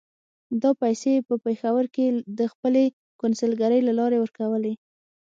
دا پیسې یې په پېښور کې د خپلې کونسلګرۍ له لارې ورکولې.